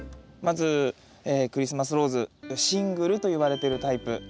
まずクリスマスローズシングルといわれてるタイプ。